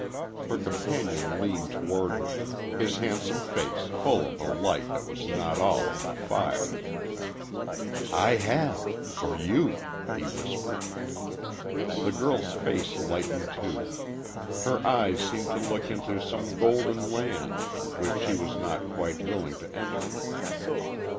Her companion leaned toward her his handsome face full of a light that was not all of the fire. "I have, for you," he whispered. The girl's face lighted, too. Her eyes seemed to look into some golden land which she was not quite willing to enter.